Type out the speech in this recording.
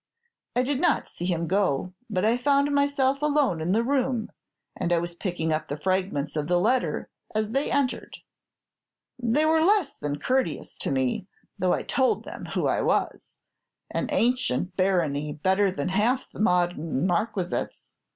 I did not see him go, but I found myself alone in the room, and I was picking up the fragments of the letter as they entered. They were less than courteous to me, though I told them who I was, an ancient barony better than half the modern marquisates.